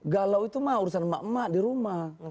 galau itu mah urusan emak emak di rumah